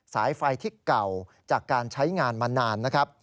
สายไฟที่เก่าจากการใช้งานมานาน